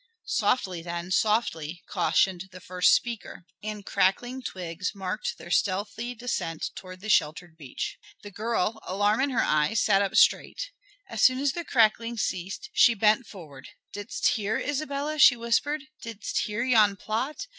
"Softly then, softly," cautioned the first speaker, and crackling twigs marked their stealthy descent towards the sheltered beach. The girl, alarm in her eyes, sat up straight. As soon as the crackling ceased she bent forward. "Didst hear, Isabella?" she whispered. "Didst hear yon plot?